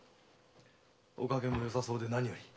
お加減も良さそうで何より。